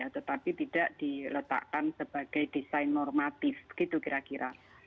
tetapi tidak diletakkan sebagai desain normatif gitu kira kira